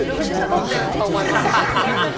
撮ってると思います。